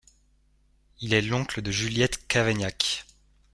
Il est l'oncle de Juliette Cavaignac.